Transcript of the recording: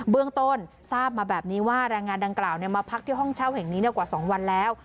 เรื่องต้นทราบมาแบบนี้ว่าแรงงานดังกล่าวมาพักที่ห้องเช่าแห่งนี้กว่า๒วันแล้ว